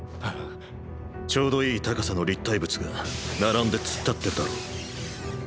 ちょうどいい高さの立体物が並んで突っ立ってるだろ？